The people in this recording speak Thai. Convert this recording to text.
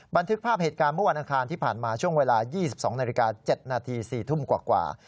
บันทึกภาพเหตุการณ์เมื่อวันอังคารที่ผ่านมาช่วงเวลา๒๒นาฬิกา๗นาที๔ทุ่มกว่า